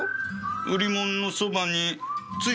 売りもんのそばにつゆ。